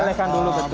dilelehkan dulu betul